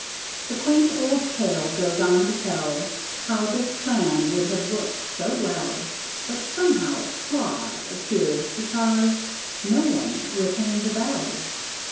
The quaint old tale goes on to tell How this plan would have worked quite well, But, somehow, flaws Appeared, because No one would hang the bell.